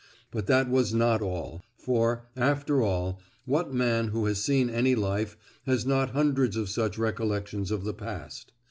But that was not all—for, after all, what man who has seen any life has not hundreds of such recollections of the past?